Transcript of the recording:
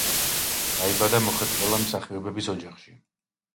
დაიბადა მოხეტიალე მსახიობების ოჯახში.